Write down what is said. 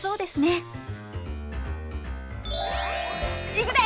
いくで！